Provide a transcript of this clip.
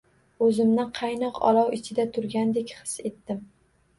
O‘zimni qaynoq olov ichida turgandek his etdim.